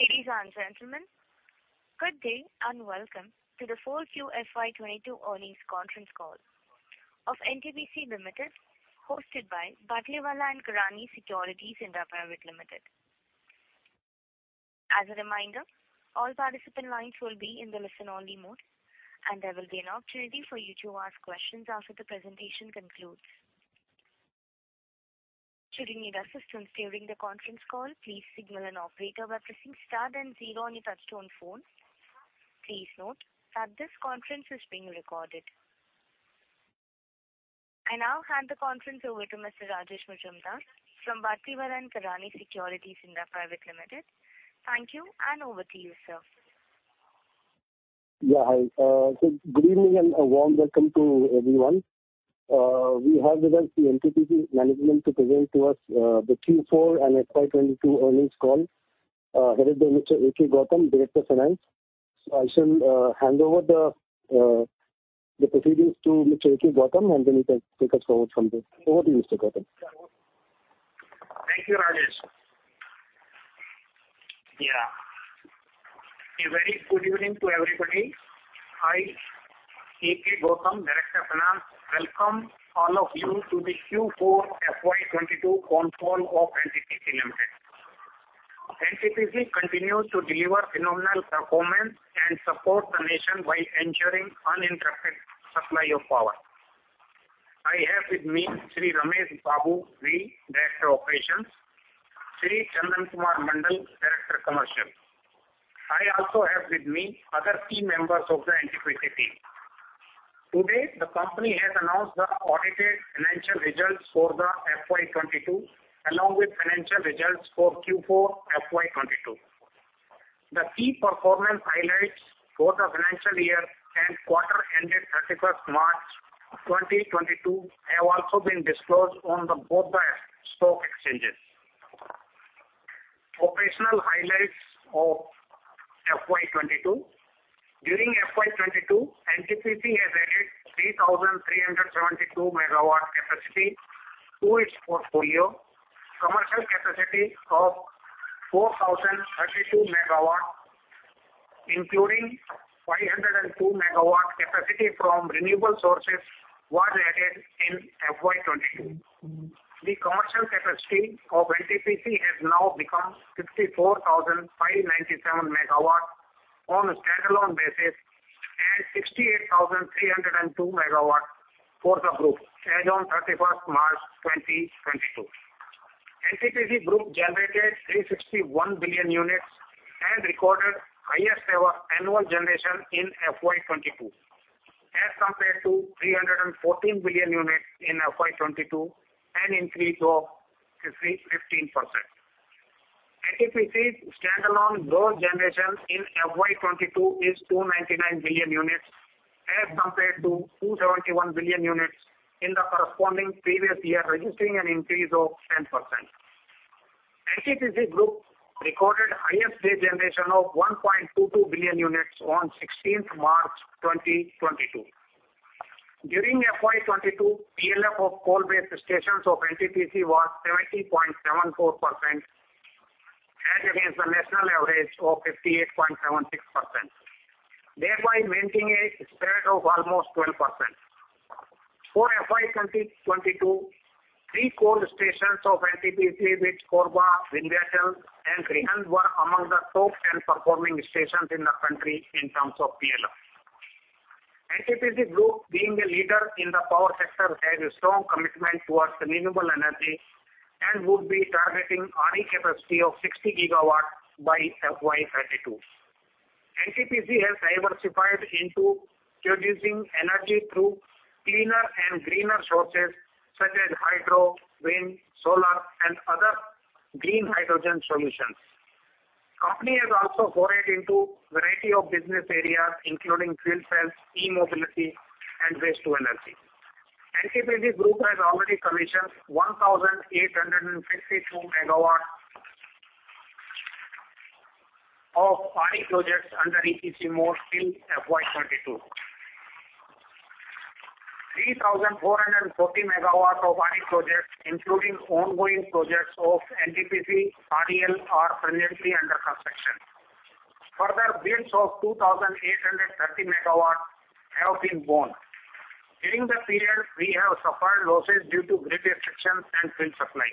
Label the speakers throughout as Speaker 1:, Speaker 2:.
Speaker 1: Ladies and gentlemen, good day and welcome to the full Q FY 22 earnings conference call of NTPC Limited, hosted by Batlivala and Karani Securities India Private Limited. As a reminder, all participant lines will be in the listen only mode, and there will be an opportunity for you to ask questions after the presentation concludes. Should you need assistance during the conference call, please signal an operator by pressing star then zero on your touchtone phone. Please note that this conference is being recorded. I now hand the conference over to Mr. Rajesh Majumdar from Batlivala and Karani Securities India Private Limited. Thank you, and over to you, sir.
Speaker 2: Yeah, hi. Good evening and a warm welcome to everyone. We have with us the NTPC management to present to us the Q4 and FY 2022 earnings call, headed by Mr. A.K. Gautam, Director, Finance. I shall hand over the proceedings to Mr. A.K. Gautam, and then he can take us forward from there. Over to you, Mr. Gautam. Thank you, Rajesh. Yeah. A very good evening to everybody. I, A.K. Gautam, Director, Finance, welcome all of you to the Q4 FY22 conference call of NTPC Limited. NTPC continues to deliver phenomenal performance and support the nation by ensuring uninterrupted supply of power. I have with me Sri Ramesh Babu V., Director, Operations, Sri Chandan Kumar Mondol, Director, Commercial. I also have with me other key members of the NTPC team. Today, the company has announced the audited financial results for the FY22, along with financial results for Q4 FY22. The key performance highlights for the financial year and quarter ended 31st March 2022 have also been disclosed on both the stock exchanges. Operational highlights of FY22. During FY22, NTPC has added 3,372 MW capacity to its portfolio. Commercial capacity of 4,032 MW, including 502 MW capacity from renewable sources, was added in FY 2022. The commercial capacity of NTPC has now become 64,597 MW on a standalone basis and 68,302 MW for the group as on March 31, 2022. NTPC group generated 361 billion units and recorded highest ever annual generation in FY 2022, as compared to 314 billion units in FY 2022, an increase of 15%. NTPC standalone gross generation in FY 2022 is 299 billion units as compared to 271 billion units in the corresponding previous year, registering an increase of 10%. NTPC group recorded highest day generation of 1.22 billion units on March 16, 2022. During FY 2022, PLF of coal-based stations of NTPC was 70.74% as against the national average of 58.76%, thereby maintaining a spread of almost 12%. For FY 2022, three coal stations of NTPC, which Korba, Talcher and Rihand, were among the top 10 performing stations in the country in terms of PLF. NTPC group, being a leader in the power sector, has a strong commitment towards renewable energy and would be targeting RE capacity of 60 GW by FY 2032. NTPC has diversified into producing energy through cleaner and greener sources such as hydro, wind, solar and other green hydrogen solutions. Company has also forayed into variety of business areas, including fuel cells, e-mobility and waste to energy. NTPC group has already commissioned 1,852 MW of RE projects under EPC mode till FY 2022. 3,440 MW of RE projects, including ongoing projects of NTPC REL, are presently under construction. Further bids of 2,830 MW have been won. During the period, we have suffered losses due to grid restrictions and fuel supply.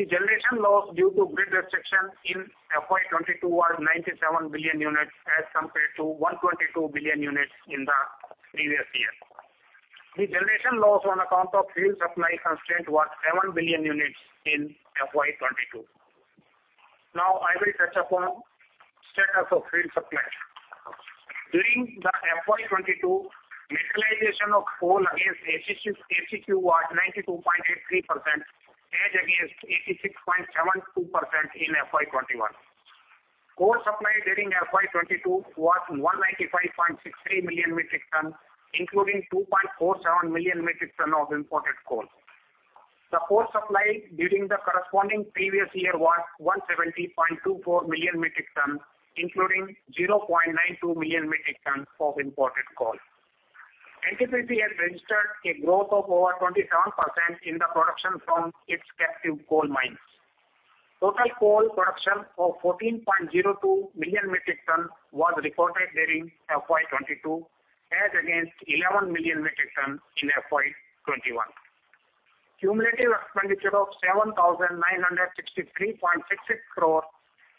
Speaker 2: The generation loss due to grid restriction in FY 2022 was 97 billion units as compared to 122 billion units in the previous year. The generation loss on account of fuel supply constraint was 7 billion units in FY 2022. Now I will touch upon status of fuel supply. During the FY 2022, materialization of coal against ACQ was 92.83% as against 86.72% in FY 2021. Coal supply during FY 2022 was 195.63 million metric tons, including 2.47 million metric tons of imported coal. The coal supply during the corresponding previous year was 170.24 million metric ton, including 0.92 million metric ton of imported coal. NTPC has registered a growth of over 27% in the production from its captive coal mines. Total coal production of 14.02 million metric ton was reported during FY 2022, as against 11 million metric ton in FY 2021. Cumulative expenditure of 7,963.66 crore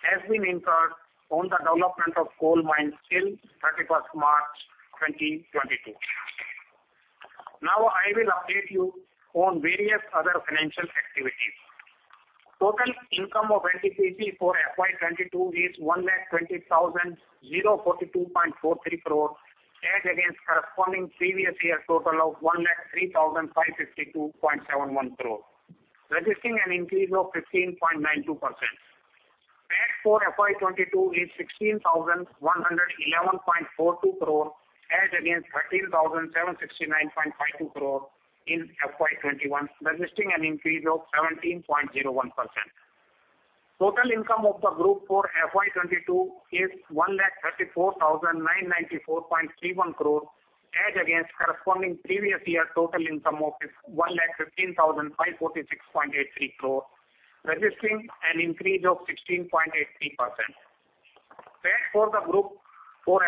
Speaker 2: has been incurred on the development of coal mines till 31 March 2022. Now I will update you on various other financial activities. Total income of NTPC for FY 2022 is 1,20,042.43 crore, as against corresponding previous year total of 1,03,552.71 crore, registering an increase of 15.92%. PAT for FY 2022 is 16,111.42 crore as against 13,769.52 crore in FY 2021, registering an increase of 17.01%. Total income of the group for FY 2022 is 1,34,994.31 crore,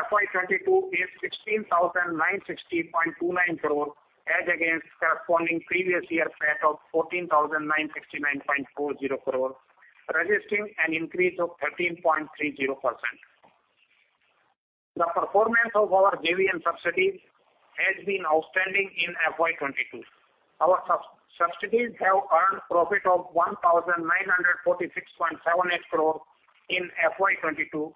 Speaker 2: as against corresponding previous year total income of 1,15,546.83 crore, registering an increase of 16.83%. PAT for the group for FY 2022 is INR 16,960.29 crore, as against corresponding previous year PAT of INR 14,969.40 crore, registering an increase of 13.30%. The performance of our JV and subsidiaries has been outstanding in FY 2022. Our subsidiaries have earned profit of 1,946.78 crore in FY 2022, as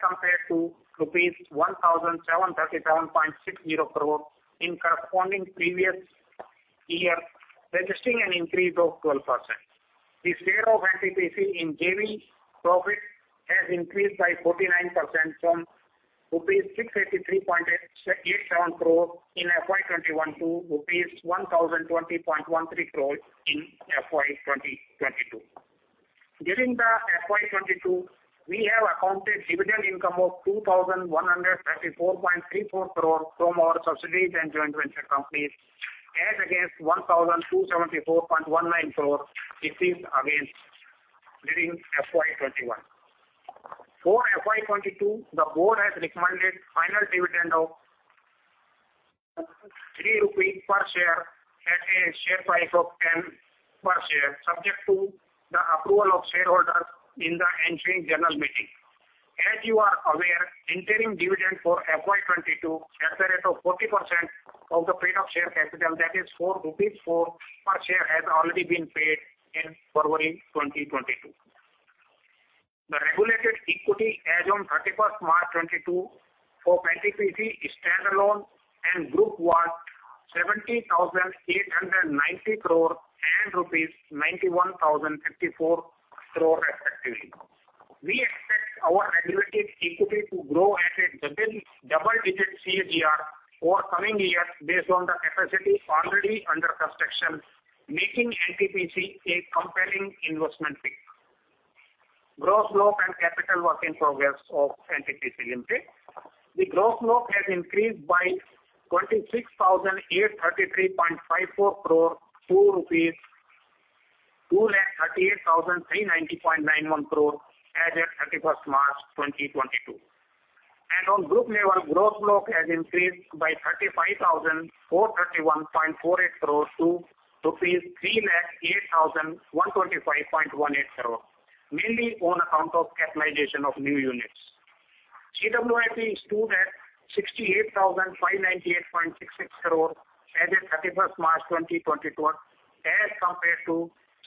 Speaker 2: compared to rupees 1,737.60 crore in corresponding previous year, registering an increase of 12%. The share of NTPC in JV profit has increased by 49% from rupees 683.87 crore in FY 2021 to rupees 1,020.13 crore in FY 2022. During the FY 2022, we have accounted dividend income of 2,134.34 crore from our subsidiaries and joint venture companies, as against 1,274.19 crore received against during FY 2021. For FY 2022, the board has recommended final dividend of 3 rupees per share at a share price of 10 per share, subject to the approval of shareholders in the ensuing general meeting. As you are aware, interim dividend for FY 2022 at the rate of 40% of the paid-up share capital, that is ₹4.4 per share, has already been paid in February 2022. The regulated equity as on 31 March 2022 for NTPC standalone and group was 70,890 crore rupees and rupees 91,054 crore respectively. We expect our regulated equity to grow at a double-digit CAGR over coming years based on the capacity already under construction, making NTPC a compelling investment pick. Gross block and capital work in progress of NTPC Limited. The gross block has increased by INR 26,833.54 crore to 2,38,390.91 crore as at 31 March 2022. On group level, gross block has increased by 35,431.48 crore to rupees 3,08,125.18 crore, mainly on account of capitalization of new units. CWIP stood at 68,598.66 crore as at 31st March 2022, as compared to 75,343.60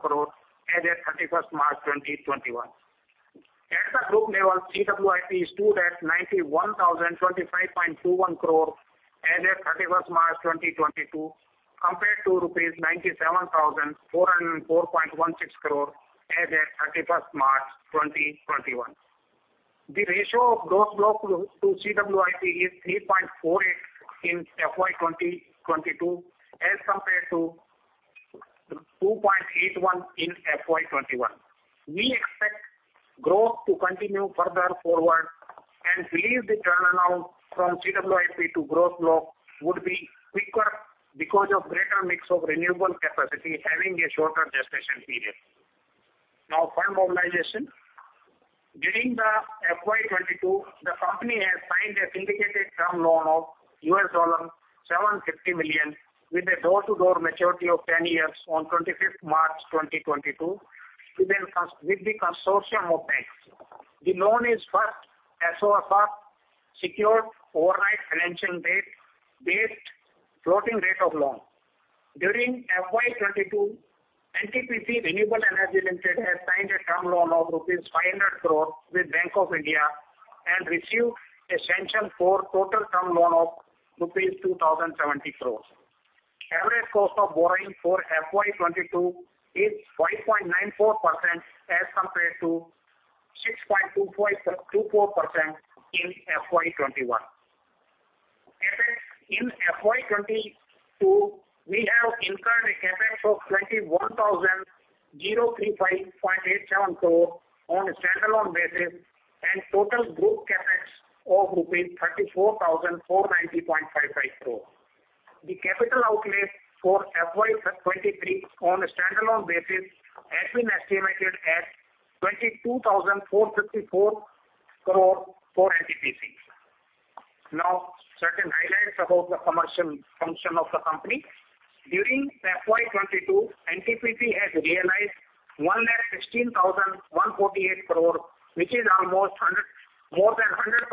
Speaker 2: crore as at 31st March 2021. At the group level, CWIP stood at 91,025.21 crore as at 31st March 2022, compared to rupees 97,404.16 crore as at 31st March 2021. The ratio of gross block to CWIP is 3.48 in FY 2022 as compared to 2.81 in FY 21. We expect growth to continue further forward and believe the turnaround from CWIP to gross block would be quicker because of greater mix of renewable capacity having a shorter gestation period. Now, fund mobilization. During the FY 2022, the company has signed a syndicated term loan of $750 million with a door-to-door maturity of 10 years on 25th March 2022 with a consortium of banks. The loan is first SOFR, secured overnight financing rate, based floating rate of loan. During FY 2022, NTPC Renewable Energy Limited has signed a term loan of 500 crore rupees with Bank of India and received a sanction for total term loan of rupees 2,070 crore. Average cost of borrowing for FY 2022 is 5.94% as compared to 6.24% in FY 2021. In FY 2022, we have incurred a CapEx of 21,035.87 crore on a standalone basis and total group CapEx of rupees 34,490.55 crore. The capital outlay for FY 2023 on a standalone basis has been estimated at 22,454 crore for NTPC. Now, certain highlights about the commercial function of the company. During FY 2022, NTPC has realized 1,16,148 crore, which is almost 100, more than 100%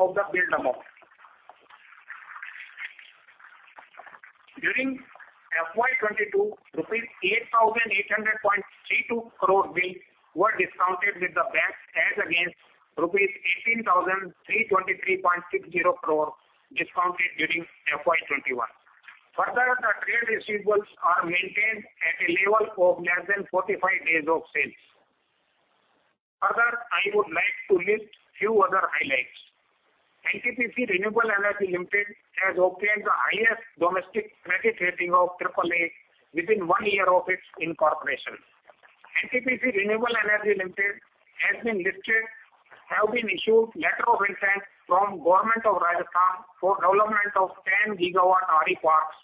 Speaker 2: of the bill amount. During FY 2022, rupees 8,800.32 crore bill were discounted with the bank as against rupees 18,323.60 crore discounted during FY 2021. Further, the trade receivables are maintained at a level of less than 45 days of sales. Further, I would like to list few other highlights. NTPC Renewable Energy Limited has obtained the highest domestic credit rating of AAA within 1 year of its incorporation. NTPC Renewable Energy Limited has been listed, have been issued letter of intent from Government of Rajasthan for development of 10 GW RE parks,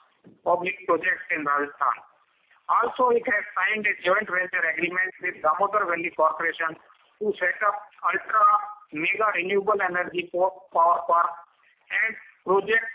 Speaker 2: public projects in Rajasthan. Also, it has signed a joint venture agreement with Damodar Valley Corporation to set up ultra-mega renewable energy power park and projects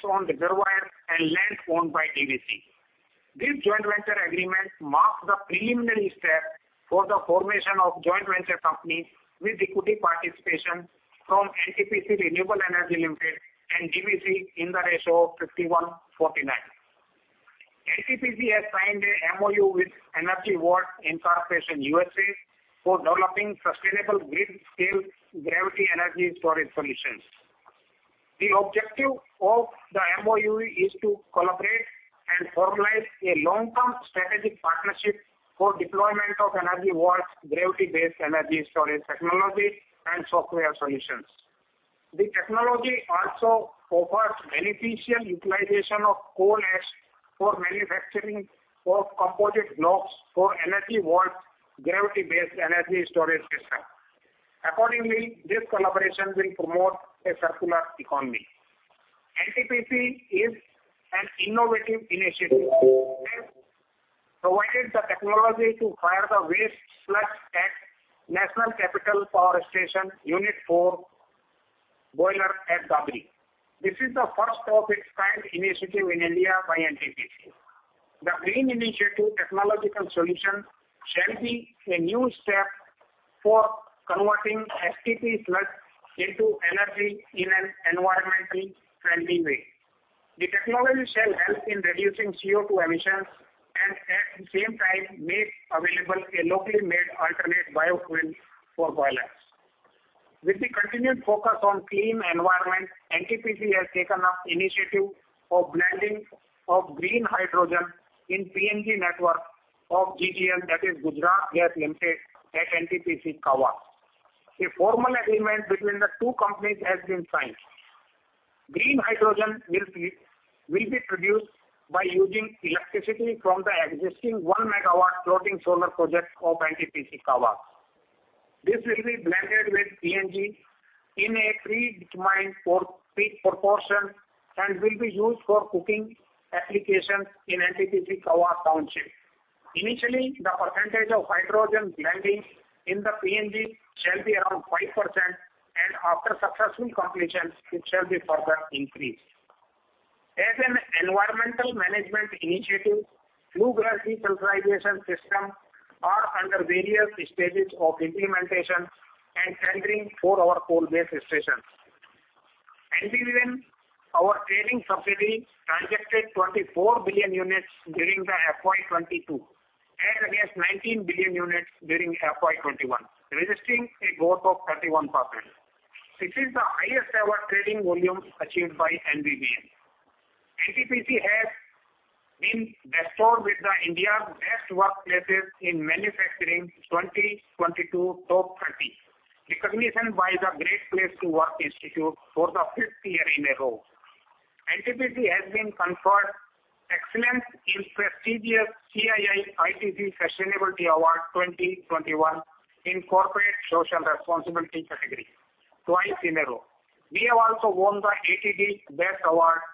Speaker 2: won the BEST Award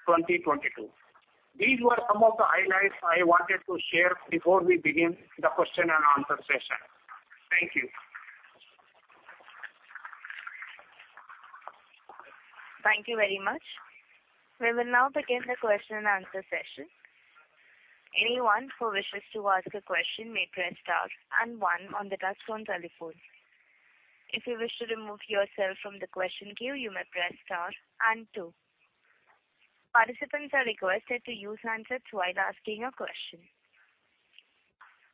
Speaker 2: 2022. These were some of the highlights I wanted to share before we begin the question and answer session. Thank you.
Speaker 1: Thank you very much. We will now begin the question and answer session. Anyone who wishes to ask a question may press star and one on the touchtone telephone. If you wish to remove yourself from the question queue, you may press star and two. Participants are requested to use handsets while asking a question.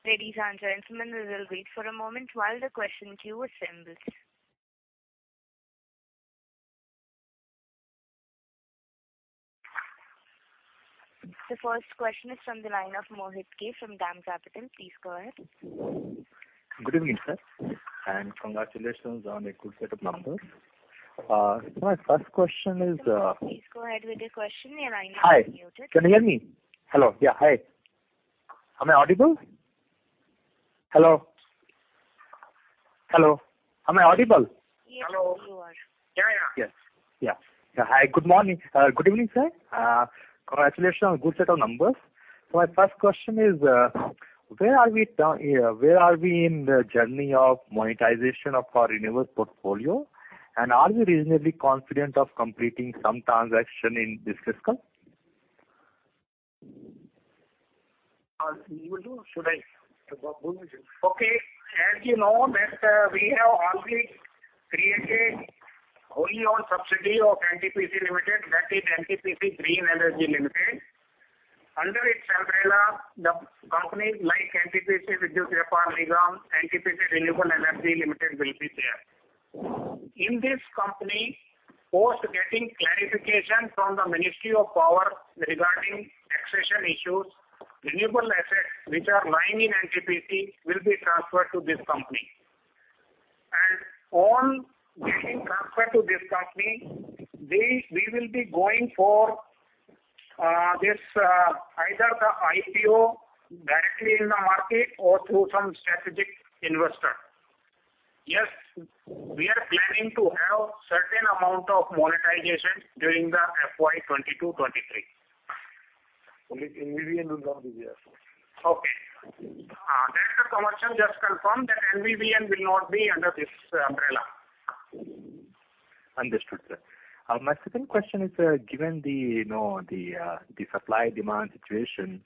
Speaker 1: Ladies and gentlemen, we will wait for a moment while the question queue assembles. The first question is from the line of Mohit Kumar from DAM Capital. Please go ahead.
Speaker 3: Good evening, sir, and congratulations on a good set of numbers. My first question is,
Speaker 1: Please go ahead with your question. Your line is now unmuted.
Speaker 3: Hi. Can you hear me? Hello? Yeah. Hi. Am I audible?
Speaker 1: Yes, you are.
Speaker 3: Hello. Hi. Good morning. Good evening, sir. Congratulations. Good set of numbers. My first question is, where are we in the journey of monetization of our renewables portfolio? Are you reasonably confident of completing some transaction in this fiscal?
Speaker 2: As you know that, we have already created wholly-owned subsidiary of NTPC Limited, that is NTPC Green Energy Limited. Under its umbrella, the companies like NTPC Vidyut Vyapar Nigam, NTPC Renewable Energy Limited will be there. In this company, post getting clarification from the Ministry of Power regarding taxation issues, renewable assets which are lying in NTPC will be transferred to this company. On getting transferred to this company, they, we will be going for either the IPO directly in the market or through some strategic investor. Yes, we are planning to have certain amount of monetization during the FY 2022-2023. Only NVVN will not be there. Director Commercial just confirmed that NVVN will not be under this umbrella.
Speaker 3: Understood, sir. My second question is, given the supply demand situation,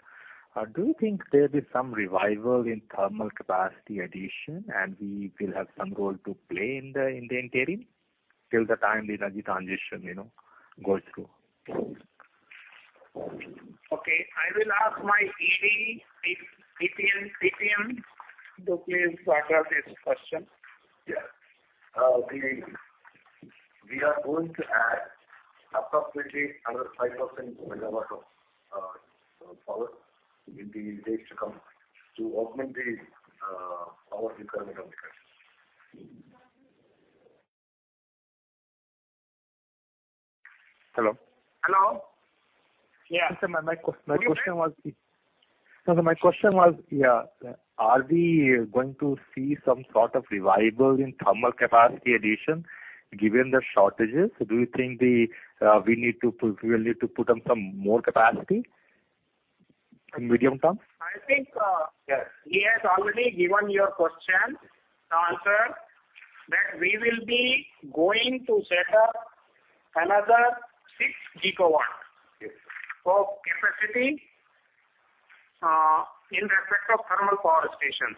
Speaker 3: do you think there'll be some revival in thermal capacity addition, and we will have some role to play in the interim till the time the energy transition, you know, goes through?
Speaker 2: Okay. I will ask my ED, i.e., EPN, CPN to please address this question.
Speaker 4: We are going to add approximately another 500 MW of power in the days to come to augment the power requirement of the country.
Speaker 3: Hello?
Speaker 2: Hello. Yeah.
Speaker 3: My question was, yeah, are we going to see some sort of revival in thermal capacity addition given the shortages? Do you think we'll need to put up some more capacity in medium term?
Speaker 2: I think.
Speaker 4: Yes.
Speaker 2: He has already given your question answer, that we will be going to set up another 6 GW.
Speaker 4: Yes.
Speaker 2: -of capacity, in respect of thermal power stations.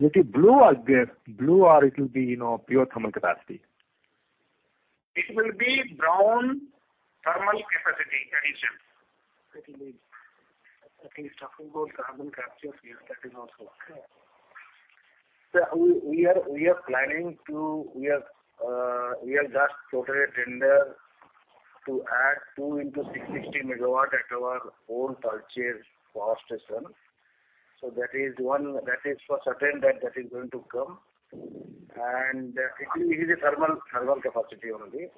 Speaker 3: It is below or this, below or it will be, you know, pure thermal capacity?
Speaker 2: It will be brown thermal capacity addition.
Speaker 4: That he's talking about carbon capture here, that is also.
Speaker 2: Yeah.
Speaker 4: Sir, we have just floated a tender to add 2x660 MW at our own Talcher power station. That is one, that is for certain. That is going to come. It will be the thermal capacity only.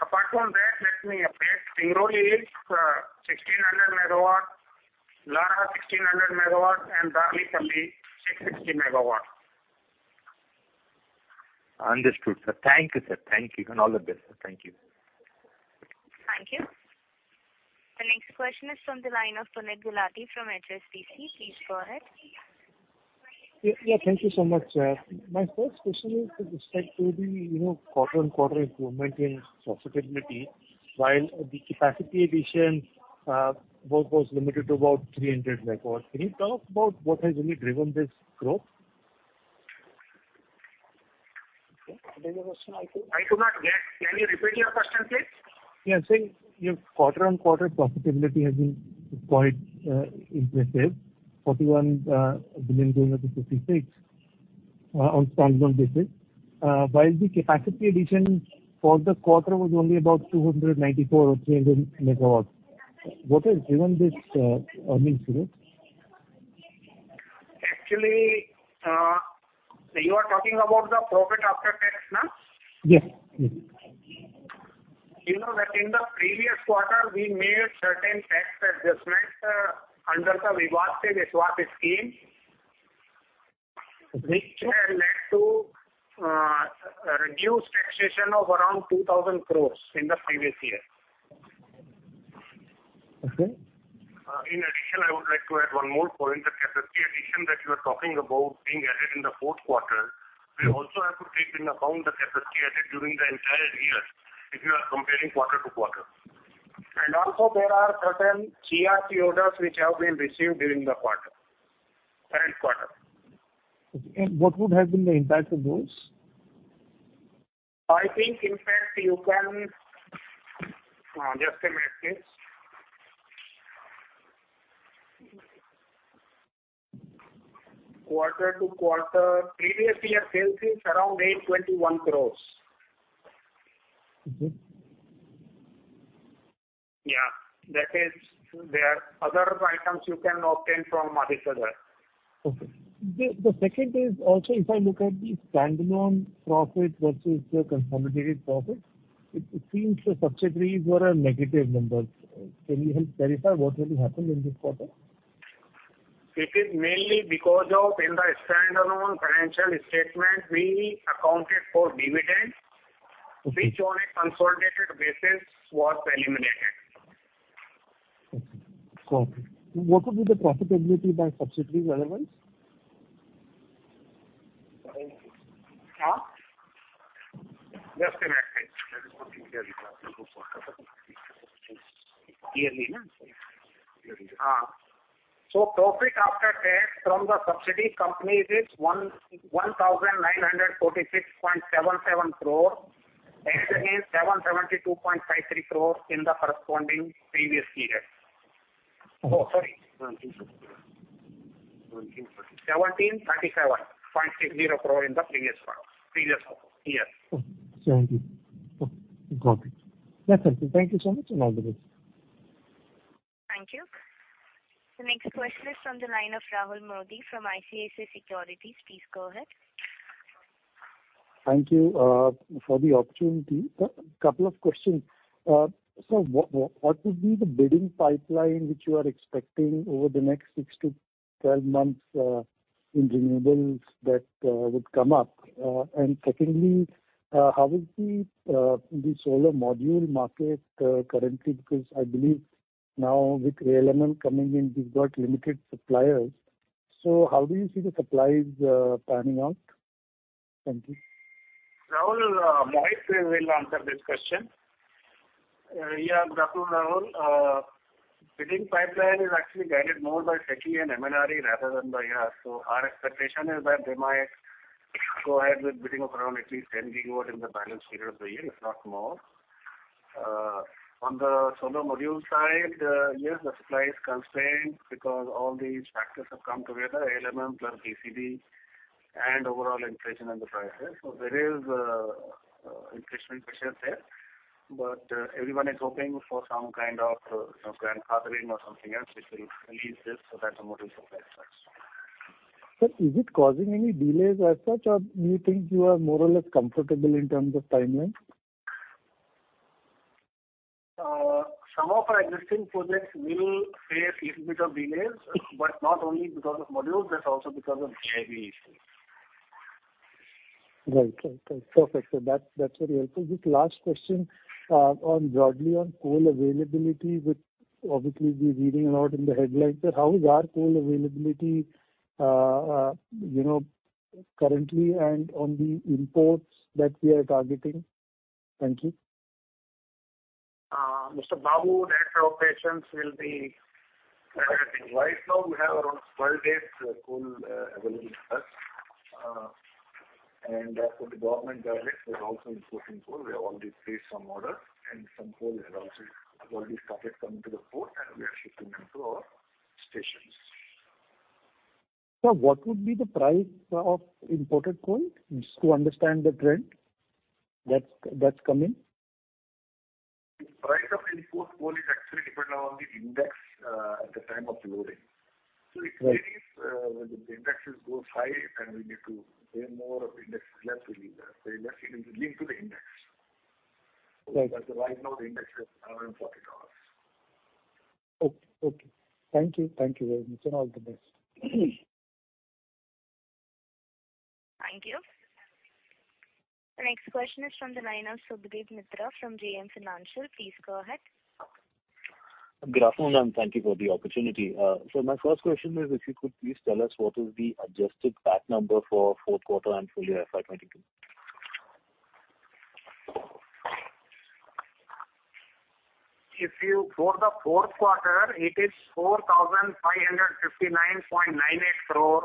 Speaker 2: Apart from that, let me update. Singrauli is 1600 MW, Lara 1600 MW, and Darlipali 660 MW.
Speaker 3: Understood, sir. Thank you, sir. Thank you. All the best. Thank you.
Speaker 1: Thank you. The next question is from the line of Puneet Gulati from HSBC. Please go ahead.
Speaker 5: Yeah. Thank you so much. My first question is with respect to the, you know, quarter-on-quarter improvement in profitability while the capacity addition both was limited to about 300 MW. Can you talk about what has really driven this growth?
Speaker 2: Okay. Repeat the question, I could. I could not get. Can you repeat your question, please?
Speaker 5: Yes. Saying your quarter-on-quarter profitability has been quite impressive, 41 billion going up to 56 billion on standalone basis. While the capacity addition for the quarter was only about 294 or 300 MW. What has driven this earnings growth?
Speaker 2: Actually, you are talking about the profit after tax now?
Speaker 5: Yes. Yes.
Speaker 2: You know that in the previous quarter, we made certain tax adjustments under the Vivad se Vishwas Scheme, which had led to a reduced taxation of around 2,000 crores in the previous year.
Speaker 5: Okay.
Speaker 4: In addition, I would like to add one more point. The capacity addition that you are talking about being added in the fourth quarter, we also have to take into account the capacity added during the entire year if you are comparing quarter-over-quarter.
Speaker 2: There are certain CERC orders which have been received during the quarter, third quarter.
Speaker 5: Okay. What would have been the impact of those?
Speaker 2: I think, in fact, you can, just a minute, please. Quarter-to-quarter. Previous year sales is around 821 crores.
Speaker 5: Mm-hmm.
Speaker 2: Yeah. That is there. Other items you can obtain from Aditya.
Speaker 5: Okay. The second is also, if I look at the standalone profit versus the consolidated profit, it seems the subsidiaries were a negative number. Can you help clarify what really happened in this quarter?
Speaker 2: It is mainly because in the standalone financial statement, we accounted for dividends, which on a consolidated basis was eliminated.
Speaker 5: Okay. Copy. What would be the profitability by subsidiaries elements?
Speaker 2: Huh?
Speaker 4: Just a minute, please. Let me quickly check.
Speaker 2: Yearly, huh?
Speaker 4: Yes.
Speaker 2: Profit after tax from the subsidiary companies is 1,946.77 crore as against 1,737.60 crore in the corresponding previous year.
Speaker 5: Oh, 17. Oh, got it. That's it. Thank you so much, and all the best.
Speaker 1: Thank you. The next question is from the line of Rahul Modi from ICICI Securities. Please go ahead.
Speaker 6: Thank you for the opportunity. A couple of questions. What would be the bidding pipeline which you are expecting over the next 6-12 months in renewables that would come up? Secondly, how is the solar module market currently? Because I believe now with ALMM coming in, we've got limited suppliers. How do you see the supplies panning out? Thank you.
Speaker 2: Rahul, Mohit will answer this question.
Speaker 4: Yeah. Good afternoon, Rahul. Bidding pipeline is actually guided more by SECI and MNRE rather than by us. Our expectation is that they might go ahead with bidding of around at least 10 GW in the balance period of the year, if not more. On the solar module side, yes, the supply is constrained because all these factors have come together, ALMM plus BCD and overall inflation in the prices. There is inflation pressures there. But everyone is hoping for some kind of, you know, grandfathering or something else which will relieve this, so that's what we supply as such.
Speaker 6: Sir, is it causing any delays as such? Do you think you are more or less comfortable in terms of timeline?
Speaker 4: Some of our existing projects will face little bit of delays, but not only because of modules, but also because of GIB issues.
Speaker 6: Right. Okay. Perfect. That's very helpful. Just last question, broadly on coal availability, which obviously we're reading a lot in the headlines, but how is our coal availability, you know, currently and on the imports that we are targeting? Thank you.
Speaker 2: Mr. Babu, Head of Operations, will be clarifying.
Speaker 4: Right now we have around 12 days coal available with us. As per the government guidance, we're also importing coal. We have already placed some orders, and some coal has also already started coming to the port, and we are shifting them to our stations.
Speaker 6: Sir, what would be the price of imported coal? Just to understand the trend that's coming.
Speaker 4: Price of import coal is actually depend on the index at the time of loading.
Speaker 6: Right.
Speaker 4: It varies. When the index goes high and we need to pay more of index, less will be there. It will link to the index.
Speaker 6: Right.
Speaker 4: Right now the index is around $40.
Speaker 6: Okay. Thank you very much, and all the best.
Speaker 1: Thank you. The next question is from the line of Subhadip Mitra from JM Financial. Please go ahead.
Speaker 7: Good afternoon, and thank you for the opportunity. My first question is if you could please tell us what is the adjusted PAT number for fourth quarter and full year FY 2022?
Speaker 2: For the fourth quarter it is 4,559.98 crore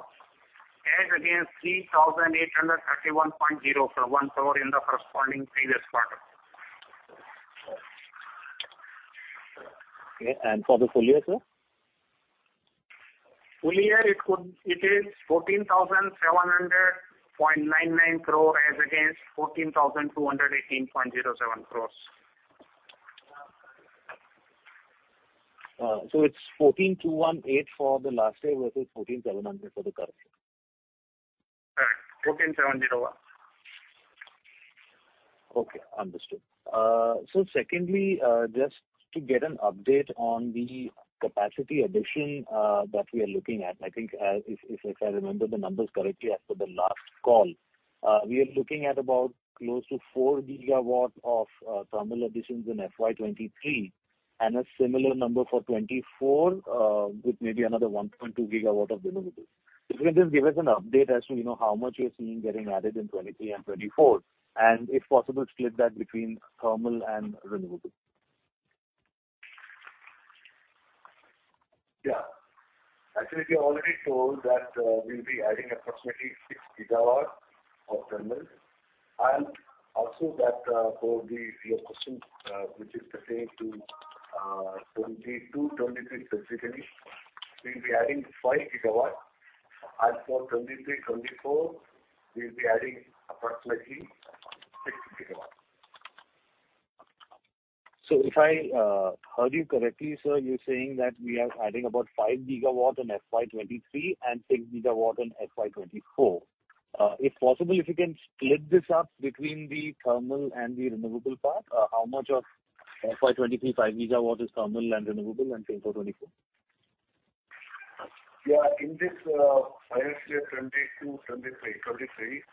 Speaker 2: as against 3,831.01 crore in the corresponding previous quarter.
Speaker 7: Okay. For the full year, sir?
Speaker 2: Full year it is 14,700.99 crore as against 14,218.07 crores.
Speaker 7: It's 14,218 for the last year versus 14,700 for the current year.
Speaker 2: Correct. 14,701.
Speaker 7: Okay, understood. Secondly, just to get an update on the capacity addition that we are looking at. I think, if I remember the numbers correctly after the last call, we are looking at about close to 4 GW of thermal additions in FY 2023 and a similar number for 2024, with maybe another 1.2 GW of renewables. If you can just give us an update as to, you know, how much you're seeing getting added in 2023 and 2024, and if possible, split that between thermal and renewable.
Speaker 4: Yeah. Actually, we already told that we'll be adding approximately 6 GW of thermal. Also that, for your question, which is pertaining to 2022, 2023 specifically, we'll be adding 5 GW. As for 2023, 2024, we'll be adding approximately 6 GW.
Speaker 7: If I heard you correctly, sir, you're saying that we are adding about 5 GW in FY 2023 and 6 GW in FY 2024. If possible, if you can split this up between the thermal and the renewable part, how much of FY 2023 5 GW is thermal and renewable and same for 2024?
Speaker 4: In this financial year 2022-23. 2023,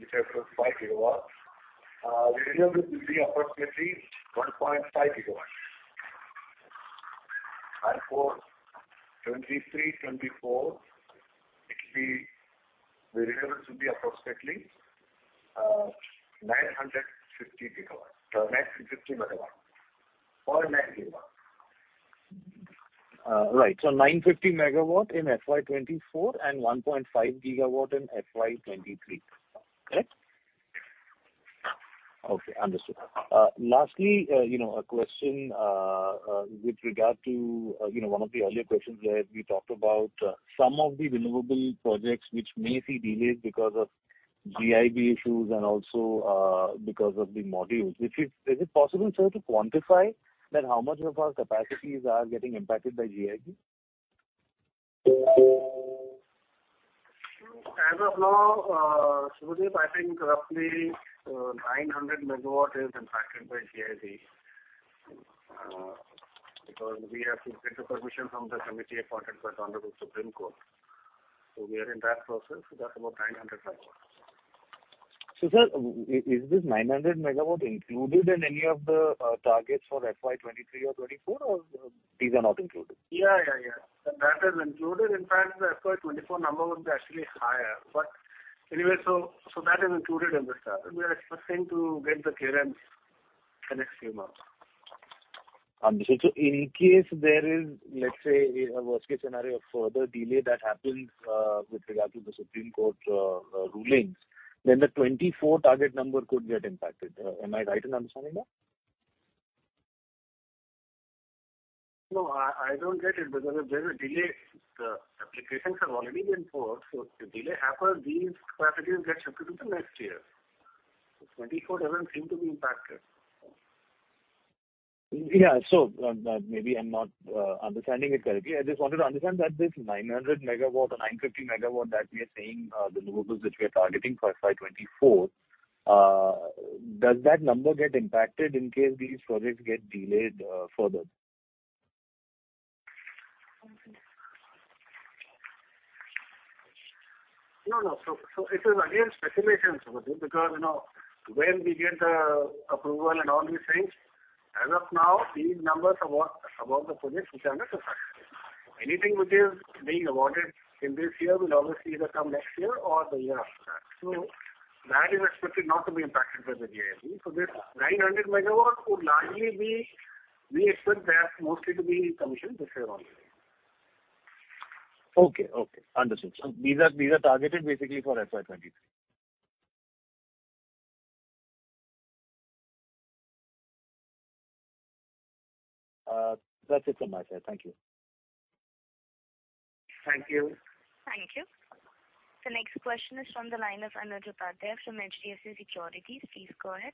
Speaker 4: which has 5 GW, renewables will be approximately 1.5 GW. For 2023-24, it'll be the renewables will be approximately 950 GW. 950 MW or 9 GW.
Speaker 7: Right. 950 MW in FY 2024 and 1.5 GW in FY 2023. Correct?
Speaker 4: Yeah.
Speaker 7: Okay, understood. Lastly, you know, a question with regard to you know, one of the earlier questions where we talked about some of the renewable projects which may see delays because of GIB issues and also because of the modules. Is it possible, sir, to quantify that how much of our capacities are getting impacted by GIB?
Speaker 4: As of now, Sudeep, I think roughly 900 MW is impacted by GIB. Because we have to get the permission from the committee appointed by the Honorable Supreme Court. We are in that process. That's about 900 MW.
Speaker 7: Sir, is this 900 MW included in any of the targets for FY 2023 or 2024, or these are not included?
Speaker 4: Yeah. That is included. In fact, the FY 2024 number would be actually higher. Anyway, so that is included in this, we are expecting to get the clearance in the next few months.
Speaker 7: Understood. In case there is, let's say, a worst case scenario of further delay that happens, with regard to the Supreme Court, rulings, then the 2024 target number could get impacted. Am I right in understanding that?
Speaker 4: No, I don't get it. Because if there's a delay, the applications have already been filed. If the delay happens, these capacities get shifted to next year. 2024 doesn't seem to be impacted.
Speaker 7: Yeah. Maybe I'm not understanding it correctly. I just wanted to understand that this 900 MW or 950 MW that we are saying, renewables which we are targeting for FY 2024, does that number get impacted in case these projects get delayed further?
Speaker 4: No. It is again speculation, Sudeep, because, you know, when we get the approval and all these things, as of now these numbers are what about the projects which under construction. Anything which is being awarded in this year will obviously either come next year or the year after that. That is expected not to be impacted by the GIB. This 900 MW would largely be. We expect that mostly to be commissioned this year only.
Speaker 7: Okay. Understood. These are targeted basically for FY23. That's it from my side. Thank you.
Speaker 4: Thank you.
Speaker 1: Thank you. The next question is from the line of Anuj Upadhyay from HDFC Securities. Please go ahead.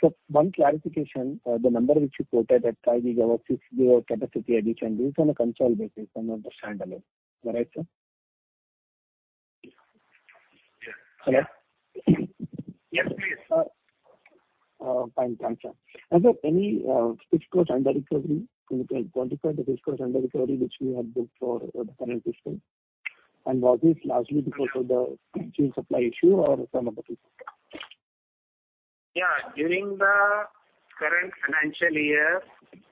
Speaker 8: Yep. Thanks for the opportunity, sir. One clarification. The number which you quoted that 5 GW-6 GW capacity addition, is on a consolidated basis or standalone. Am I right, sir?
Speaker 4: Yes.
Speaker 8: Hello?
Speaker 4: Yes, please.
Speaker 8: Fine. Thanks, sir. Sir, any deemed under recovery? Can you quantify the deemed under recovery which we have booked for the current fiscal? Was this largely because of the fuel supply issue or some other reason?
Speaker 4: Yeah. During the current financial year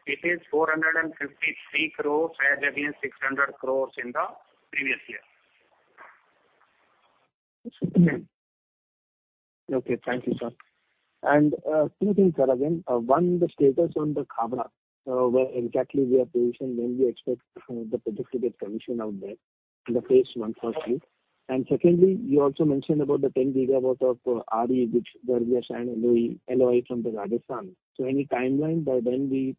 Speaker 4: it is 453 crores as against 600 crores in the previous year.
Speaker 8: Okay. Thank you, sir. Two things, sir, again. One, the status on the Khavda, where exactly we are positioned, when we expect the project to get commissioned out there in the phase one. Secondly, you also mentioned about the 10 GW of RE where we are signed LOI from the Rajasthan. Any timeline by when we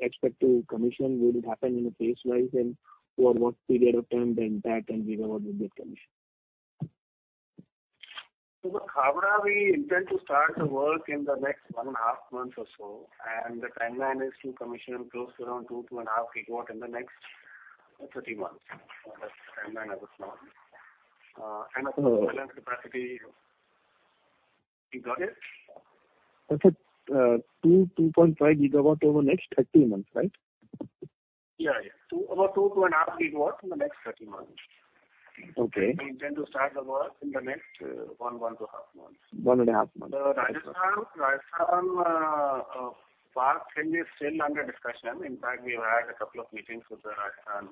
Speaker 8: expect to commission? Will it happen in a phase-wise and over what period of time the entire 10 GW will get commissioned?
Speaker 4: The Khavda we intend to start the work in the next one and a half months or so, and the timeline is to commission close to around 2.5 GW in the next 30 months. That's the timeline as of now. As for the capacity. You got it?
Speaker 8: That's it. 2.5 GW over next 18 months, right?
Speaker 4: Yeah, yeah. About 2.5 GW in the next 30 months.
Speaker 8: Okay.
Speaker 4: We intend to start the work in the next one and a half months.
Speaker 8: One and a half months.
Speaker 4: The Rajasthan part ten is still under discussion. In fact, we have had a couple of meetings with the Rajasthan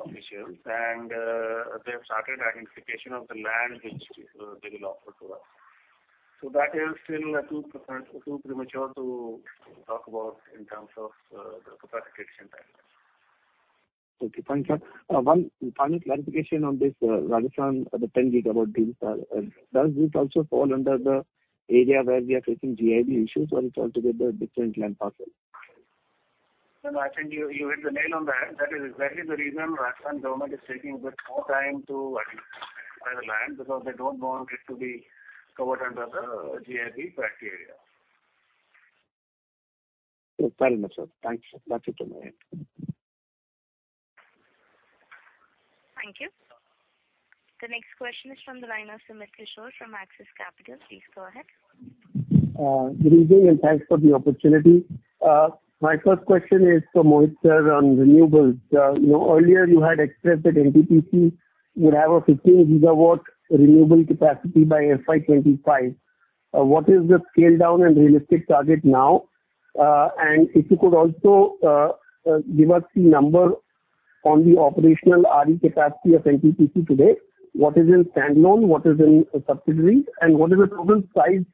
Speaker 4: officials and they have started identification of the land which they will offer to us. That is still too premature to talk about in terms of the capacity and timelines.
Speaker 8: Okay, fine, sir. One final clarification on this, Rajasthan, the 10 GW deal, sir. Does this also fall under the area where we are facing GIB issues or is altogether different land parcel?
Speaker 4: No, I think you hit the nail on the head. That is exactly the reason Rajasthan Government is taking a bit more time to acquire the land because they don't want it to be covered under the GIB-affected area.
Speaker 8: Fair enough, sir. Thank you, sir. That's it from my end.
Speaker 1: Thank you. The next question is from the line of Sumit Kishore from Axis Capital. Please go ahead.
Speaker 9: Good evening and thanks for the opportunity. My first question is for Mohit, sir, on renewables. You know, earlier you had expressed that NTPC would have a 15 GW renewable capacity by FY 2025. If you could also give us the number on the operational RE capacity of NTPC today. What is in standalone? What is in subsidiary? And what is the total size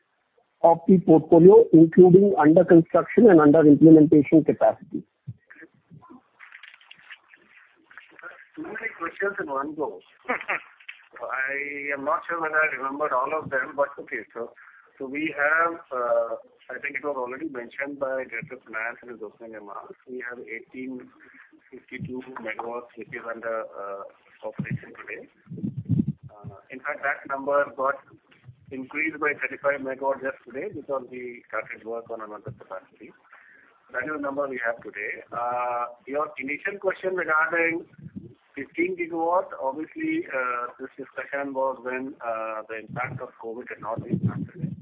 Speaker 9: of the portfolio, including under construction and under implementation capacity?
Speaker 4: That's too many questions in one go. I am not sure whether I remember all of them, but okay, sir. We have, I think it was already mentioned by Director Finance in his opening remarks. We have 1,852 MW which is under operation today. In fact, that number got increased by 35 MW just today because we started work on another capacity. That is the number we have today. Your initial question regarding 15 GW, obviously, this discussion was when the impact of COVID had not been factored in.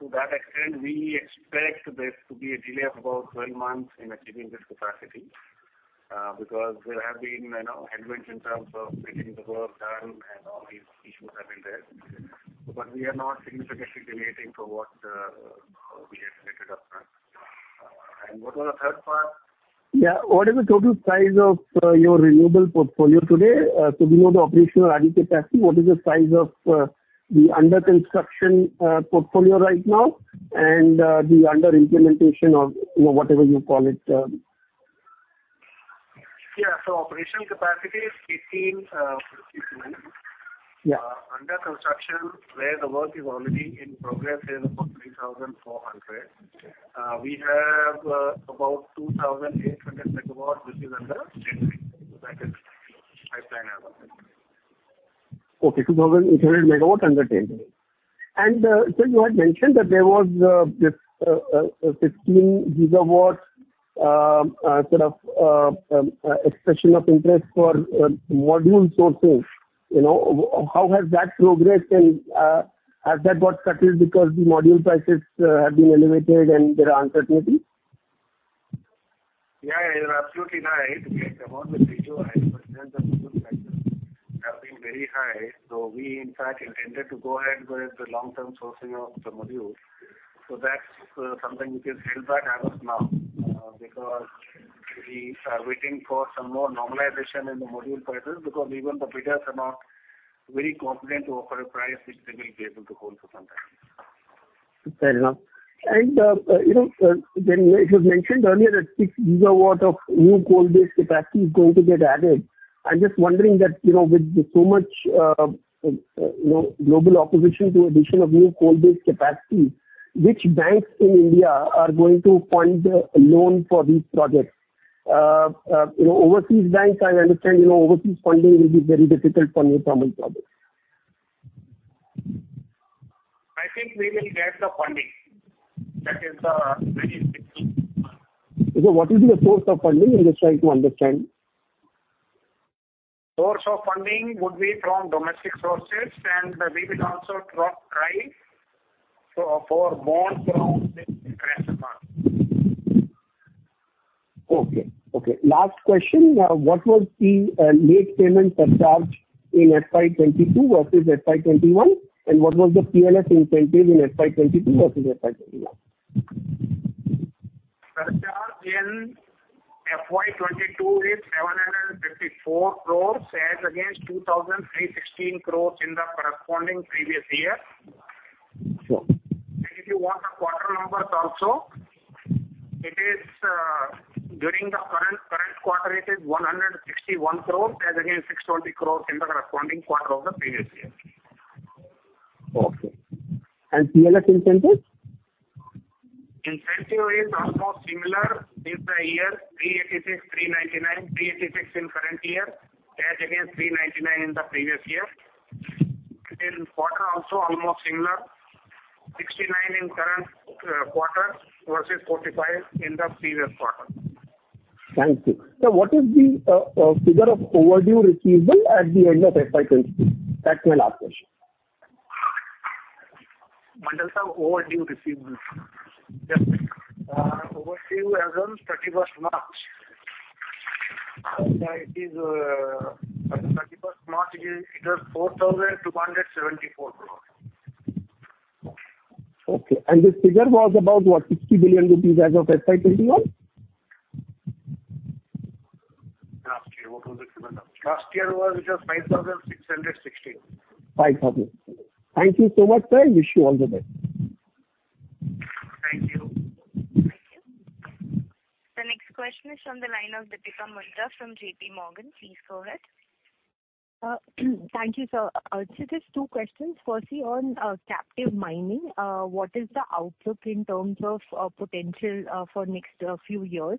Speaker 4: To that extent, we expect this to be a delay of about 12 months in achieving this capacity, because there have been, you know, headwinds in terms of getting the work done and all these issues have been there. But we are not significantly delaying from what we had committed upfront. What was the third part?
Speaker 9: Yeah. What is the total size of your renewable portfolio today? So we know the operational RE capacity. What is the size of the under construction portfolio right now and the under implementation or, you know, whatever you call it?
Speaker 4: Operational capacity is 1,857.
Speaker 9: Yeah.
Speaker 4: Under construction, where the work is already in progress is about 3,400.
Speaker 9: Okay.
Speaker 4: We have about 2,800 MW which is under tendering. That is pipeline as of now.
Speaker 9: Okay. 2,800 MW under tendering. Sir, you had mentioned that there was this 15 GW sort of expression of interest for module sourcing. You know, how has that progressed? Has that got curtailed because the module prices have been elevated and there are uncertainties?
Speaker 4: Yeah, you're absolutely right. We had come out with a request since the module prices have been very high. We, in fact, intended to go ahead with the long-term sourcing of the module. That's something which is held back as of now, because we are waiting for some more normalization in the module prices, because even the bidders are not very confident to offer a price which they will be able to hold for some time.
Speaker 9: Fair enough. You know, when it was mentioned earlier that 6 GW of new coal-based capacity is going to get added. I'm just wondering that, you know, with so much, you know, global opposition to addition of new coal-based capacity, which banks in India are going to fund the loan for these projects? You know, overseas banks, I understand, you know, overseas funding will be very difficult for new thermal projects.
Speaker 4: I think we will get the funding.
Speaker 9: What is the source of funding? I'm just trying to understand.
Speaker 4: Source of funding would be from domestic sources, and we will also try for bonds from the interest market.
Speaker 9: Last question. What was the late payment surcharge in FY 22 versus FY 21? What was the PLF incentive in FY 22 versus FY 21?
Speaker 4: Surcharge in FY 2022 is 754 crores as against 2,316 crores in the corresponding previous year.
Speaker 9: Sure.
Speaker 4: If you want the quarter numbers also, it is during the current quarter, it is 161 crores as against 620 crores in the corresponding quarter of the previous year.
Speaker 9: Okay. PLF incentive?
Speaker 4: Incentive is almost similar with the year, 386, 399. 386 in current year as against 399 in the previous year. In quarter also almost similar, 69 in current quarter versus 45 in the previous quarter.
Speaker 9: Thank you. Sir, what is the figure of overdue receivable at the end of FY 2022? That's my last question.
Speaker 4: Mondol Sir, overdue receivables.
Speaker 8: Yes.
Speaker 4: Overdue as on thirty-first March, it was INR 4,274 crores.
Speaker 9: Okay. This figure was about, what, 60 billion rupees as of FY 2021?
Speaker 4: Last year, what was it, Mondol?
Speaker 10: It was 5,660.
Speaker 9: 5,000. Thank you so much, sir. I wish you all the best.
Speaker 1: Thank you. The next question is from the line of Deepika Mundra from JPMorgan. Please go ahead.
Speaker 11: Thank you, sir. Sir, just two questions. Firstly, on captive mining, what is the outlook in terms of potential for next few years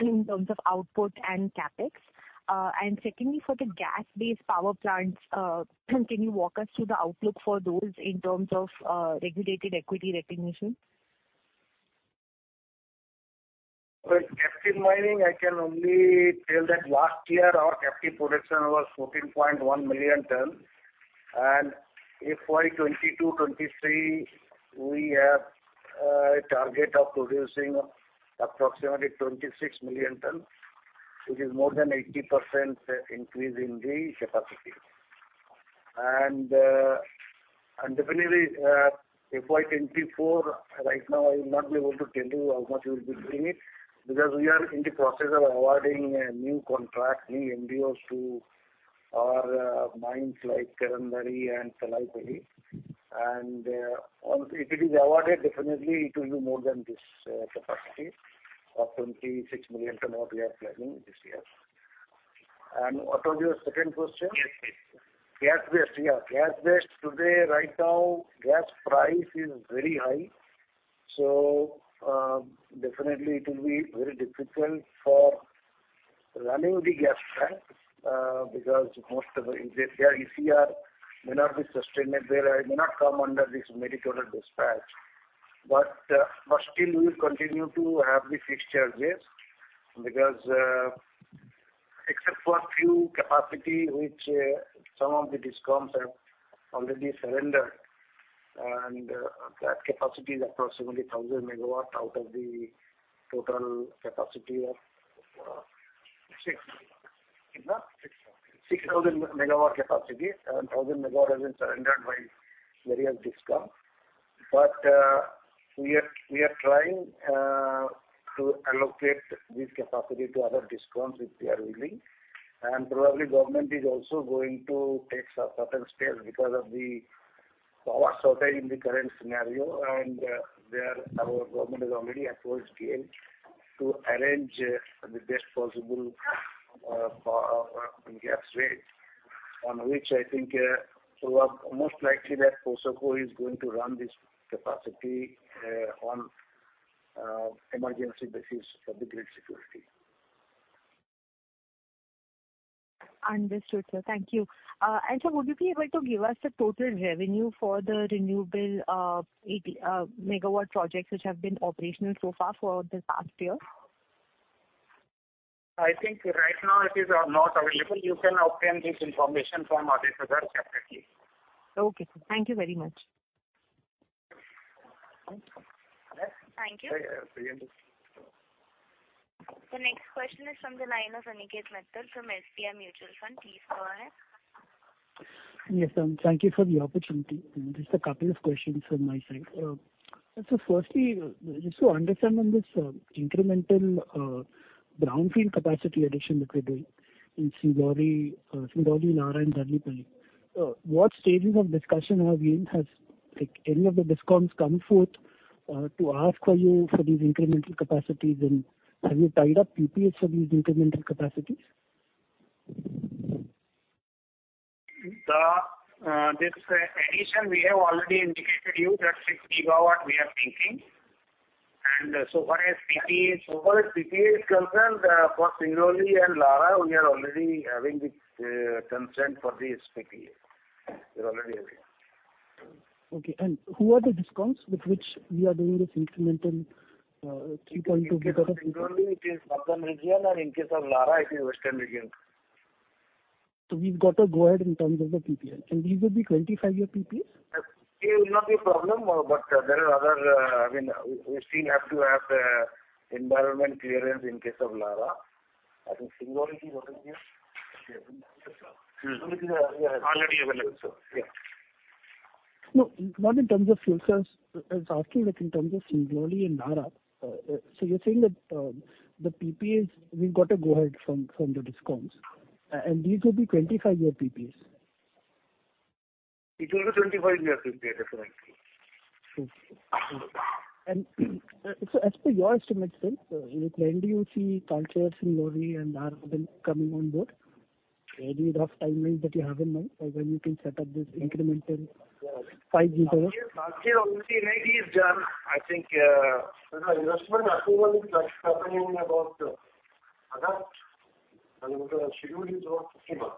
Speaker 11: in terms of output and CapEx? And secondly, for the gas-based power plants, can you walk us through the outlook for those in terms of regulated equity recognition?
Speaker 4: Well, captive mining, I can only tell that last year our captive production was 14.1 million tons. FY 2022-23, we have a target of producing approximately 26 million tons, which is more than 80% increase in the capacity. FY 2024, right now I will not be able to tell you how much you will be doing it because we are in the process of awarding a new contract, new MOUs to our mines like Chatti-Bariatu and Talaipalli. Also if it is awarded, definitely it will be more than this capacity of 26 million tons what we are planning this year. What was your second question?
Speaker 11: Gas-based.
Speaker 4: Gas-based. Gas-based today, right now, gas price is very high. Definitely it will be very difficult for running the gas plant, because most of the their ECR may not be sustainable. They may not come under this merit order dispatch. But still we will continue to have the fixed charges because, except for few capacity which, some of the DISCOMs have already surrendered, and that capacity is approximately 1,000 MW out of the total capacity of.
Speaker 12: Six.
Speaker 4: 6,000 MW capacity and 1,000 MW has been surrendered by various DISCOM. We are trying to allocate this capacity to other DISCOMs if they are willing. Probably government is also going to take certain steps because of the power shortage in the current scenario. Therefore our government has already approached GAIL to arrange the best possible gas rate on which I think so most likely that POSOCO is going to run this capacity on emergency basis for the grid security.
Speaker 11: Understood, sir. Thank you. Sir, would you be able to give us the total revenue for the renewable 8 MW projects which have been operational so far for the past year?
Speaker 4: I think right now it is not available. You can obtain this information from Aditya Dar separately.
Speaker 11: Okay, sir. Thank you very much.
Speaker 1: Thank you. The next question is from the line of Aniket Mittal from SBI Mutual Fund. Please go ahead.
Speaker 13: Yes, ma'am. Thank you for the opportunity. Just a couple of questions from my side. Firstly, just to understand on this, incremental, brownfield capacity addition that you're doing in Singrauli, Lara and Talaipalli, what stages of discussion have been? Has, like, any of the DISCOMs come forth, to ask you for these incremental capacities? And have you tied up PPAs for these incremental capacities?
Speaker 4: This addition we have already indicated you that 6 GW we are thinking. So far as PPA is
Speaker 12: So far as PPA is concerned, for Singrauli and Lara, we are already having the consent for this PPA. We already have it.
Speaker 13: Okay. Who are the DISCOMs with which we are doing this incremental, 3.2 GW?
Speaker 4: In case of Singrauli it is Southern Region, and in case of Lara it is Western Region.
Speaker 13: We've got a go ahead in terms of the PPA. These will be 25-year PPAs?
Speaker 4: It will not be a problem, but there are other, I mean, we still have to have the environment clearance in case of Lara. I think Singrauli is already there.
Speaker 12: Already available, sir. Yeah.
Speaker 13: No, not in terms of fuel source. I was asking like in terms of Singrauli and Lara. So you're saying that the PPAs, we've got a go ahead from the discoms. These will be 25-year PPAs.
Speaker 4: It will be 25-year PPA, that's right.
Speaker 13: As per your estimates then, when do you see Talcher, Singrauli and Lara then coming on board? Any rough timelines that you have in mind for when you can set up this incremental 5 GW?
Speaker 4: Last year already NIT is done. I think.
Speaker 12: The investment approval is happening about August and the schedule is of 50 months.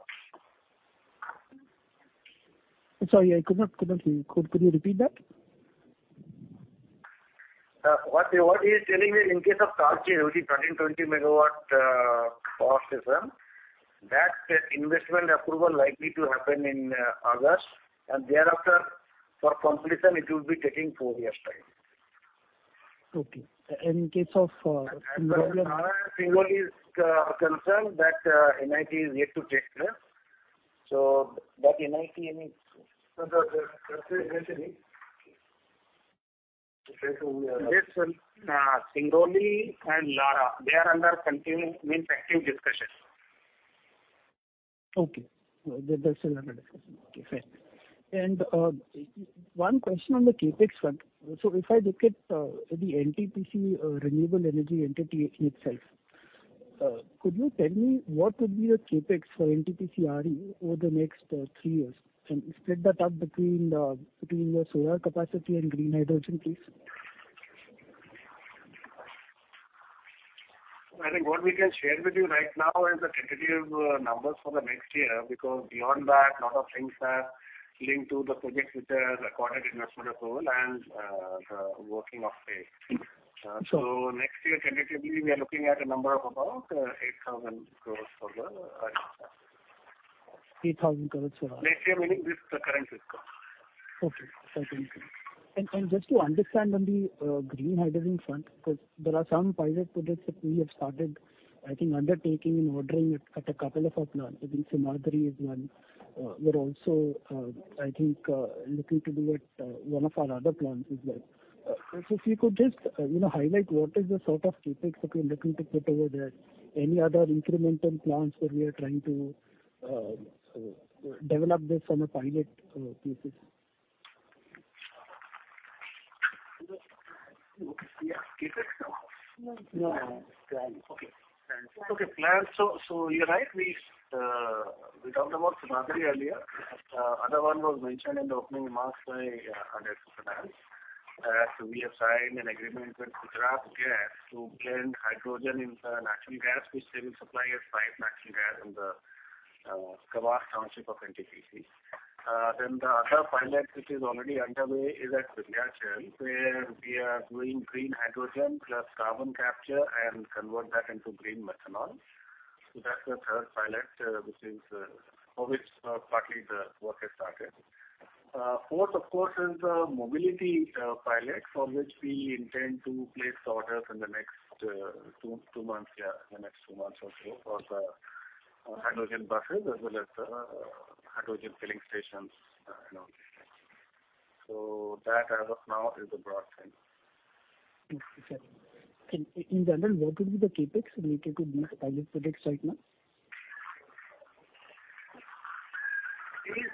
Speaker 13: Sorry, I could not hear you. Could you repeat that?
Speaker 4: What he is telling is in case of Talcher, which is 1,320 MW power station, that investment approval likely to happen in August. Thereafter for completion it will be taking four years' time.
Speaker 13: Okay. In case of.
Speaker 4: As far as Lara and Singrauli is concerned that NIT is yet to take place. That NIT needs to-
Speaker 12: Sir, the
Speaker 4: Yes, sir. Singrauli and Lara, they are under continuing, means active discussion.
Speaker 13: Okay. That's another discussion. Okay, fair. One question on the CapEx front. If I look at the NTPC renewable energy entity itself, could you tell me what would be the CapEx for NTPC RE over the next three years? Split that up between the solar capacity and green hydrogen, please.
Speaker 4: I think what we can share with you right now is the tentative numbers for the next year, because beyond that, a lot of things are linked to the projects which have acquired investment approval and the working of FE.
Speaker 13: Mm. So-
Speaker 4: Next year, tentatively, we are looking at a number of about 8,000 crore for the next year.
Speaker 13: 8,000 crores for
Speaker 4: Next year, meaning this, the current fiscal.
Speaker 13: Okay. Thank you. Just to understand on the green hydrogen front, because there are some pilot projects that we have started, I think, undertaking and ordering at a couple of our plants. I think Simhadri is one. We're also, I think, looking to do it one of our other plants as well. If you could just, you know, highlight what is the sort of CapEx that you're looking to put over there. Any other incremental plants where we are trying to develop this on a pilot basis?
Speaker 4: Yes. CapEx, no?
Speaker 13: No.
Speaker 4: Plans.
Speaker 13: Okay. Plans.
Speaker 4: Okay, plans. You're right. We talked about Simhadri earlier. Other one was mentioned in the opening remarks by Aditya Pradhan. We have signed an agreement with Gujarat Gas to blend hydrogen in the natural gas, which they will supply as piped natural gas in the Kawas township of NTPC. The other pilot which is already underway is at Vindhyachal, where we are doing green hydrogen plus carbon capture and convert that into green methanol. That's the third pilot, for which partly the work has started. Fourth of course is the mobility pilot for which we intend to place the orders in the next two months, yeah, the next two months or so for the hydrogen buses as well as hydrogen filling stations and all these things. That as of now is the broad thing.
Speaker 13: Okay, sir. In general, what will be the CapEx related to these pilot projects right now?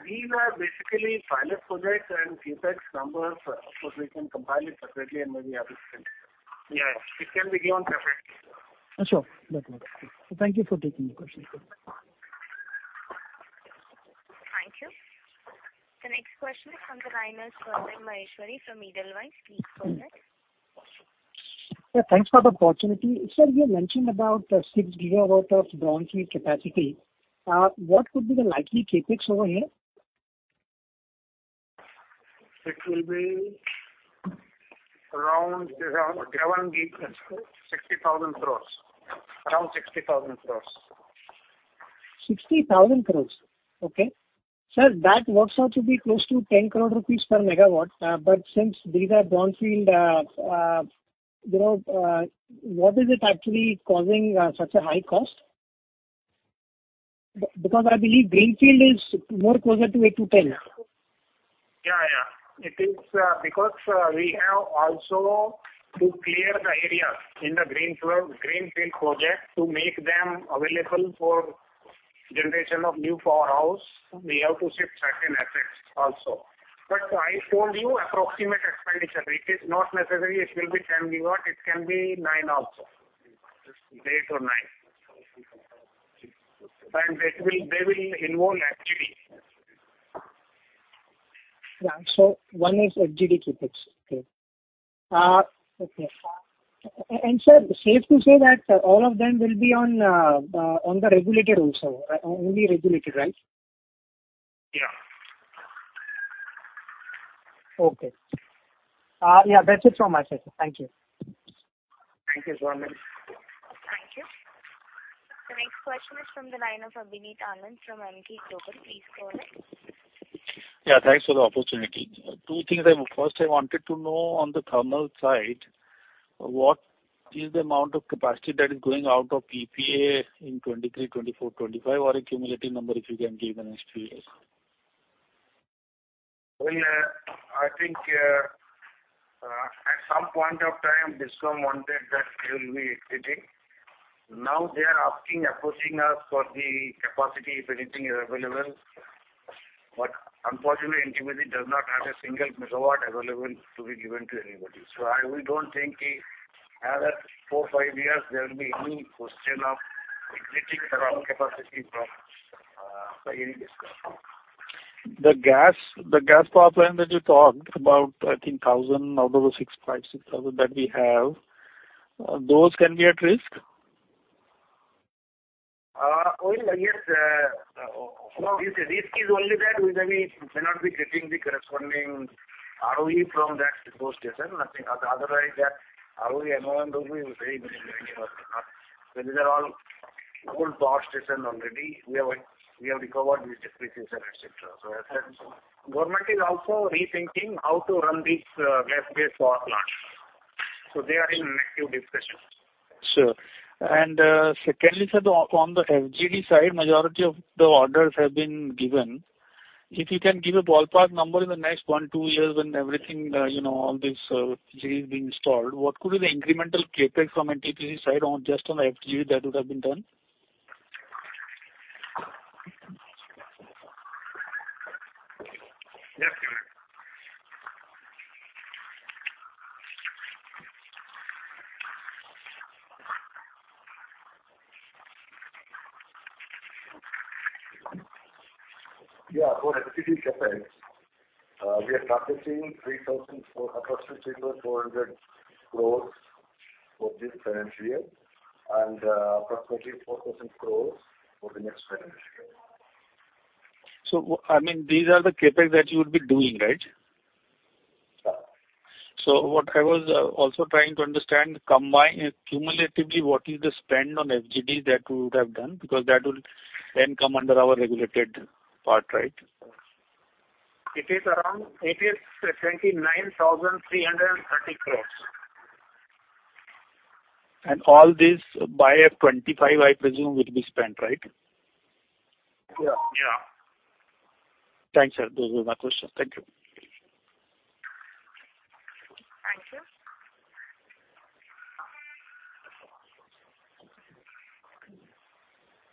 Speaker 4: These are basically pilot projects and CapEx numbers. Of course, we can compile it separately and maybe have it sent. Yes, it can be given separately.
Speaker 13: Sure. That works. Thank you for taking the question.
Speaker 1: Thank you. The next question is from the line of Sarit Maheshwari from Edelweiss. Please go ahead.
Speaker 14: Yeah, thanks for the opportunity. Sir, you mentioned about 6 GW of brownfield capacity. What could be the likely CapEx over here?
Speaker 4: It will be around 11 GW, 60,000 crore. Around 60,000 crore.
Speaker 13: 60,000 crore. Okay. Sir, that works out to be close to 10 crore rupees per megawatt. Since these are brownfield, you know, what is it actually causing such a high cost? Because I believe greenfield is more closer to 8-10.
Speaker 4: It is because we have also to clear the areas in the greenfield project to make them available for generation of new powerhouse. We have to shift certain assets also. I told you approximate expenditure. It is not necessary it will be 10 GW, it can be nine also. eight or nine. They will involve FGD.
Speaker 13: Yeah. One is FGD CapEx. Okay. Sir, safe to say that all of them will be on the regulated also, only regulated, right?
Speaker 4: Yeah.
Speaker 15: Okay. Yeah, that's it from my side, sir. Thank you.
Speaker 4: Thank you, Sarit Maheshwari.
Speaker 1: Thank you. The next question is from the line of Abhineet Anand from Emkay Global. Please go ahead.
Speaker 16: Yeah, thanks for the opportunity. Two things. First, I wanted to know on the thermal side, what is the amount of capacity that is going out of PPA in 2023, 2024, 2025, or a cumulative number, if you can give the next three years.
Speaker 4: I think at some point of time, DISCOM wanted that they will be exiting. Now they are asking, approaching us for the capacity, if anything is available. Unfortunately, NTPC does not have a single megawatt available to be given to anybody. We don't think in another 4-5 years there will be any question of exiting thermal capacity from, by any DISCOM.
Speaker 16: The gas power plant that you talked about, I think 1,000 out of the 65,000 that we have, those can be at risk?
Speaker 4: Well, yes. Risk is only there we may not be getting the corresponding ROE from that proposed station. Nothing other, otherwise that ROE and RONW will be very minimal. These are all old power station already. We have recovered the depreciation, et cetera. As such, government is also rethinking how to run these gas-based power plants. They are in active discussions.
Speaker 16: Sure. Secondly, sir, on the FGD side, majority of the orders have been given. If you can give a ballpark number in the next 1 -2 years when everything, all this, FGD being installed, what could be the incremental CapEx from NTPC side on just on the FGD that would have been done?
Speaker 4: Yes, sir. Yeah. For NTPC standalone, we are targeting approximately 3,400 crores for this financial year and approximately 4,000 crores for the next financial year.
Speaker 16: I mean, these are the CapEx that you would be doing, right?
Speaker 4: Yeah.
Speaker 16: What I was also trying to understand, cumulatively, what is the spend on FGD that you would have done? Because that will then come under our regulated part, right?
Speaker 4: It is INR 29,330 crores.
Speaker 16: All this by 25, I presume, would be spent, right?
Speaker 4: Yeah, yeah.
Speaker 16: Thanks, sir. Those were my questions. Thank you.
Speaker 1: Thank you.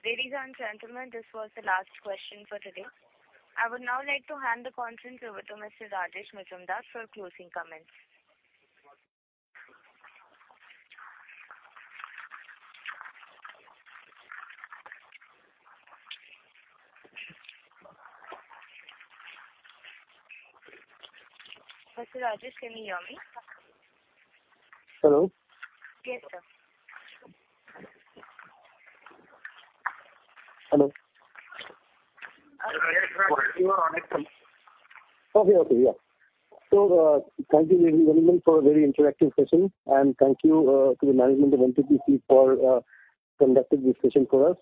Speaker 1: Ladies and gentlemen, this was the last question for today. I would now like to hand the conference over to Mr. Rajesh Majumdar for closing comments. Mr. Rajesh, can you hear me?
Speaker 17: Hello?
Speaker 1: Yes, sir.
Speaker 16: Hello?
Speaker 4: You are on echo.
Speaker 16: Okay. Yeah. Thank you ladies and gentlemen for a very interactive session, and thank you to the management of NTPC for conducting this session for us.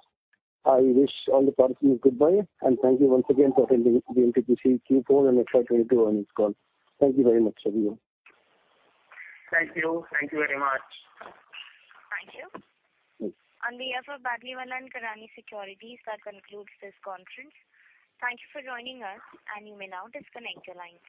Speaker 16: I wish all the participants goodbye, and thank you once again for attending the NTPC Q4 and FY 22 earnings call. Thank you very much, everyone.
Speaker 4: Thank you. Thank you very much.
Speaker 1: Thank you. On behalf of Batlivala and Karani Securities, that concludes this conference. Thank you for joining us, and you may now disconnect your lines.